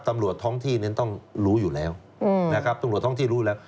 ตำรวจท้องที่เนี่ยต้องรู้อยู่แล้วนะครับตำรวจท้องที่รู้แล้ว